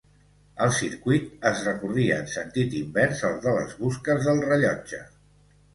El circuit es recorria en sentit invers al de les busques del rellotge.